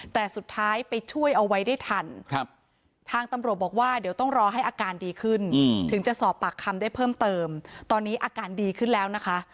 แต่สุดท้ายไปช่วยเอาไว้ได้ทันทางตำรวจบอกว่าเดี๋ยวต้องรอให้อาการดีขึ้นถึงจะสอบปากคำได้เพิ่มเติมตอนนี้อาการดีขึ้นแล้วนะคะ